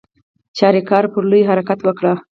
چاریکار پر لور حرکت وکړ.